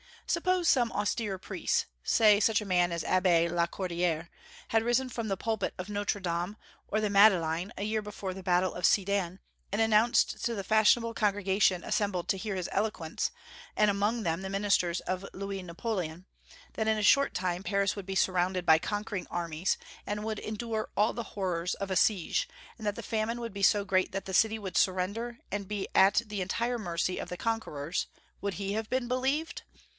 Suppose some austere priest say such a man as the Abbé Lacordaire had risen from the pulpit of Notre Dame or the Madeleine, a year before the battle of Sedan, and announced to the fashionable congregation assembled to hear his eloquence, and among them the ministers of Louis Napoleon, that in a short time Paris would be surrounded by conquering armies, and would endure all the horrors of a siege, and that the famine would be so great that the city would surrender and be at the entire mercy of the conquerors, would he have been believed?